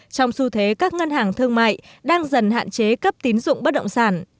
trong xu thế các ngân hàng thương mại đang dần hạn chế cấp tín dụng bất động sản